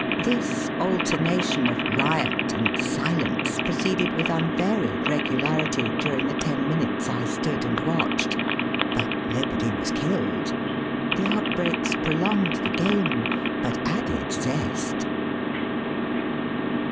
This alternation of riot and silence proceeded with unvaried regularity during the ten minutes I stood and watched; but nobody was killed. The outbreaks prolonged the game, but added ^est.